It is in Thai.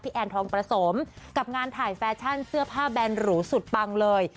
แอนทองประสมกับงานถ่ายแฟชั่นเสื้อผ้าแบนหรูสุดปังเลย